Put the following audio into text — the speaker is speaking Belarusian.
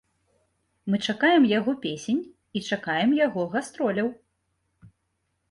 Мы чакаем яго песень, і чакаем яго гастроляў.